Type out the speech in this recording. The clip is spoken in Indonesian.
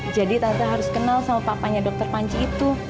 jadi tante harus kenal sama papanya dokter panji itu